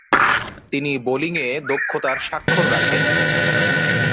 তিনি বোলিংয়ে দক্ষতার স্বাক্ষর রাখেন।